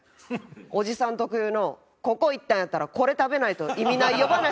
おじさん特有のここ行ったんやったらこれ食べないと意味ないよ話。